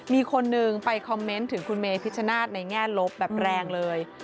มีคนนึงไปคอมเมนต์ถึงคุณเมพิชชนาธิ์ในแง่ลบแบบแรงเลย